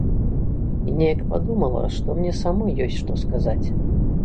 І неяк падумала, што мне самой ёсць што сказаць.